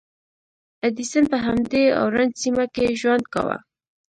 ایډېسن په همدې اورنج سیمه کې ژوند کاوه.